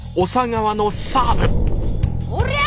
おりゃ